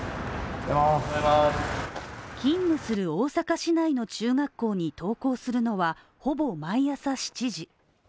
勤務する大阪市内の中学校に登校するのはほぼ毎朝７時。